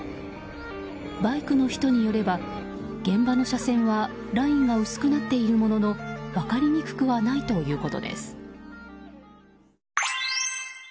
バイクの人によれば現場の車線はラインが薄くなっているものの分かりにくくはないということです。